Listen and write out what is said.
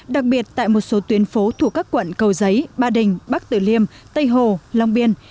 đặc biệt tại một số tuyến phố thuộc các quận cầu giấy ba đình bắc tử liêm tây hồ long biên